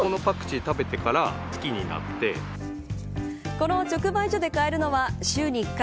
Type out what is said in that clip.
この直売所で買えるのは週に１回。